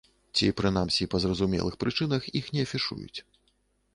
Ці, прынамсі, па зразумелых прычынах іх не афішуюць.